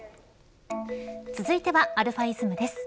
続いてはαｉｓｍです。